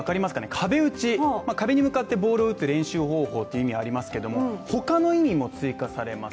壁打ち、壁に向かってボールを打つ練習方法という意味がありますけど他の意味も追加されます。